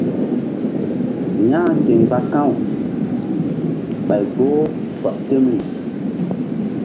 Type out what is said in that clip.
Ya ke mgba ka̧w ɓay gboh kɔk temri.